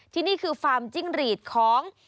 ที่นี่คือฟาร์มจิ้งหรีดของ